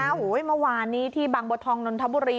โอ้โหเมื่อวานนี้ที่บางบัวทองนนทบุรี